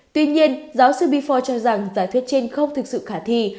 tuy nhiên giáo sư bifor cho rằng giả thuyết trên không thực sự khả thi